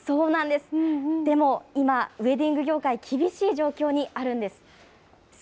でも今、ウエディング業界、厳しい状況にあるんです。